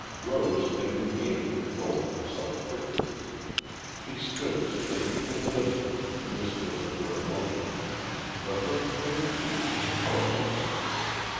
Rose had regained control of herself quickly. She stood straight and lissom, mistress of her emotions, but her clear cheeks were colorless.